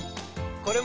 これも！